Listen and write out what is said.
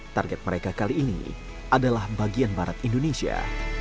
target mereka kali ini adalah bagian barat indonesia